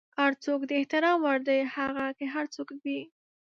هر څوک د احترام وړ دی، هغه که هر څوک وي.